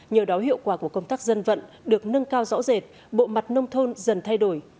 nhờ đó hiệu quả của công tác dân vận được nâng cao rõ rệt bộ mặt nông thôn dần thay đổi